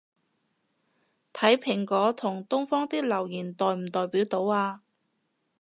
睇蘋果同東方啲留言代唔代表到吖